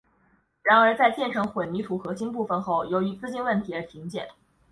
然而在建成混凝土核心部分后由于资金问题而停建。